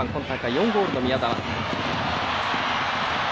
４ゴールの宮澤。